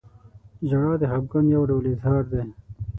• ژړا د خفګان یو ډول اظهار دی.